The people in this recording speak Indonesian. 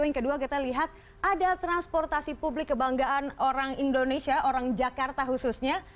yang kedua kita lihat ada transportasi publik kebanggaan orang indonesia orang jakarta khususnya